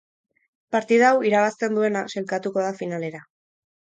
Partida hau irabazten duena sailkatuko da finalera.